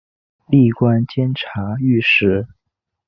历官监察御史。